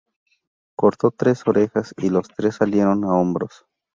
Cortó tres orejas y los tres salieron a hombros.